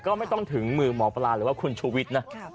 ก็ไม่ต้องถึงมือหมอปลาหรือว่าคุณชูวิทย์นะ